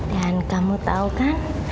dan kamu tahu kan